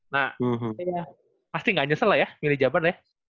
nah pasti gak nyesel lah ya milih jabar ya